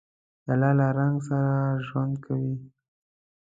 پیاله له رنګ سره ژوند کوي.